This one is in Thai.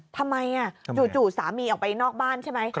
จู่สามีออกไปนอกบ้านใช่ไหม